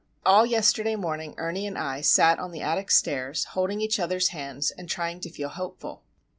All yesterday morning Ernie and I sat on the attic stairs, holding each other's hands and trying to feel hopeful.